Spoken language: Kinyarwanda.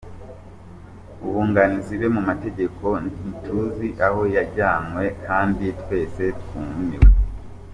Abunganizi be mu mategeko ntituzi aho yajyanwe kandi twese twumiwe.